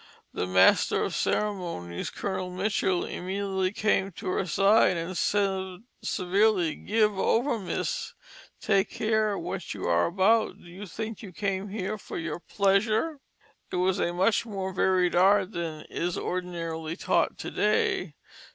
The Master of Ceremonies, Colonel Mitchell, immediately came to her side and said severely: "Give over, Miss. Take care what you are about. Do you think you came here for your pleasure?" It was a much more varied art than is ordinarily taught to day.